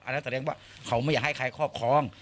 แสดงว่าเขาไม่อยากให้ใครครอบครอง